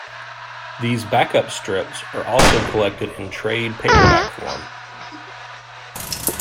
These back-up strips are also collected in trade paperback form.